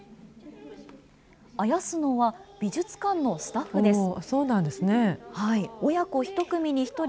あやすのは美術館のスタッフです。